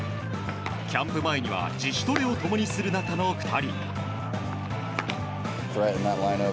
キャンプ前には自主トレを共にする仲の２人。